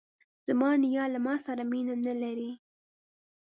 زما نیا له ماسره مینه نه لري.